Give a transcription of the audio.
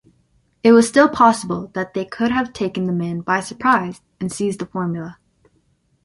It was still possible that they could have taken the man by surprise and seized the formulae.